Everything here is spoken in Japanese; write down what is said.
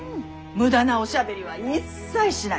無駄なおしゃべりは一切しない。